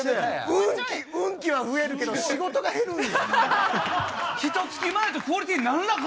運気は増えるけど、仕事が減るんや。